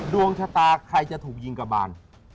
ดวงชะตาใครจะถูกยิงกระบาน